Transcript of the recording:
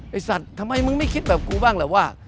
สัตว์ทำไมมึงไม่คิดแบบกูบ้างแหละว่า